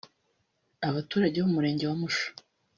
Abaturage bo mu Murenge wa Musha